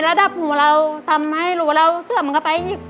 ระดับหัวเราทำให้รูเราเสื่อมเข้าไปอีก